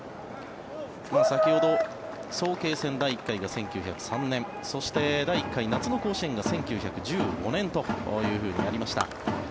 先ほど早慶戦、第１回が１９０３年そして、第１回夏の甲子園が１９１５年というふうになりました。